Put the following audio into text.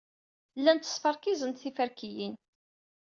Llant skerfiẓent tiferkiyin.